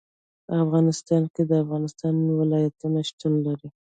په افغانستان کې د افغانستان ولايتونه شتون لري.